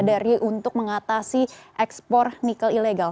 dari untuk mengatasi ekspor nikel ilegal